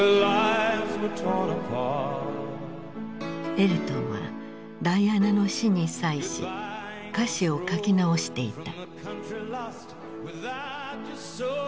エルトンはダイアナの死に際し歌詞を書き直していた。